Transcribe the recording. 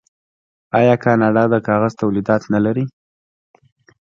آیا کاناډا د کاغذ تولیدات نلري؟